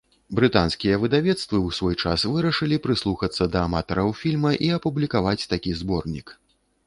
Брытанскія выдавецтвы ў свой час вырашылі прыслухацца да аматараў фільма і апублікаваць такі зборнік.